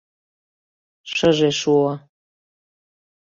Шыже шуо.